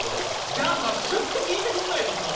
じゃあさすっと聴いてくんないとさ！